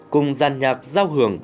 cùng gian nhạc giao hưởng